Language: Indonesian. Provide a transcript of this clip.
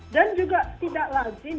dan juga tidak lazim